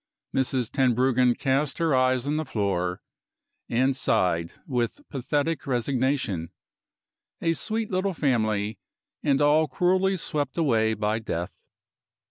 Mrs. Tenbruggen cast her eyes on the floor, and sighed with pathetic resignation. A sweet little family, and all cruelly swept away by death.